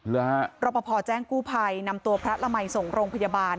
รอปภแจ้งกู้ภัยนำตัวพระละมัยส่งโรงพยาบาล